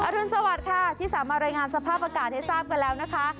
รุนสวัสดิ์ค่ะที่สามารถรายงานสภาพอากาศให้ทราบกันแล้วนะคะ